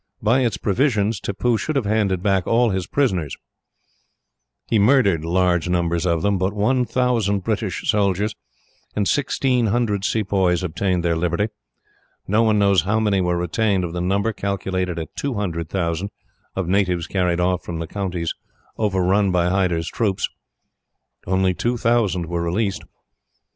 By its provisions, Tippoo should have handed back all his prisoners. He murdered large numbers of them, but 1000 British soldiers, and 1600 Sepoys obtained their liberty. No one knows how many were retained of the number, calculated at 200,000, of natives carried off from the countries overrun by Hyder's troops. Only 2000 were released.